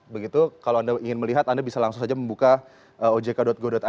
begitu kalau anda ingin melihat anda bisa langsung saja membuka ojk go i